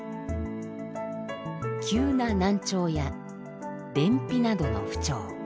急な難聴や便秘などの不調。